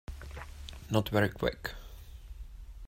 Not very Quick.